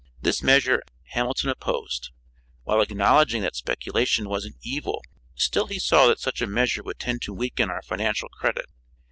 This measure Hamilton opposed. While acknowledging that speculation was an evil, still he saw that such a measure would tend to weaken our financial credit.